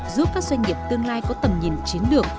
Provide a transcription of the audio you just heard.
giúp các doanh nghiệp tương lai có tầm nhìn chiến lược